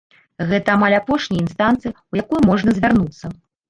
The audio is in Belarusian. Гэта амаль апошняя інстанцыя, у якую можна звярнуцца.